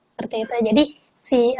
seperti itu jadi